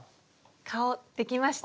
顔できました！